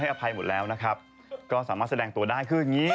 อภัยหมดแล้วนะครับก็สามารถแสดงตัวได้คืออย่างงี้